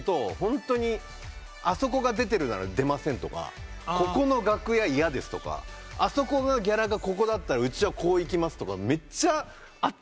あそこが出てるなら出ませんとかここの楽屋嫌ですとかあそこがギャラがここだったらうちはこういきますとかめっちゃあって。